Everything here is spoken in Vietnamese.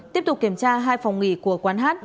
tiếp tục kiểm tra hai phòng nghỉ của quán hát